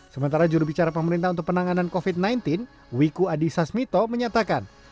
sementara jurubicara pemerintah untuk penanganan covid sembilan belas wiku adhisa smito menyatakan